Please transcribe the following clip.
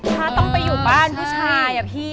ถ้าต้องไปอยู่บ้านผู้ชายอะพี่